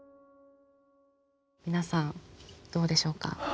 皆さんどうでしょうか。